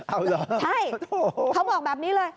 เอาเหรอใช่เขาบอกแบบนี้เลย